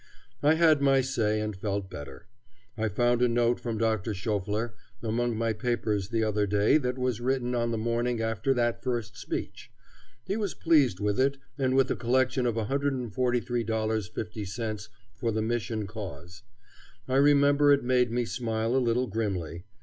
I had my say and felt better. I found a note from Dr. Schauffler among my papers the other day that was written on the morning after that first speech. He was pleased with it and with the collection of $143.50 for the mission cause. I remember it made me smile a little grimly.